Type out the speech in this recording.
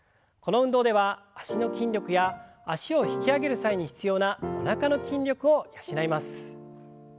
この運動では脚の筋力や脚を引き上げる際に必要なおなかの筋力を養います。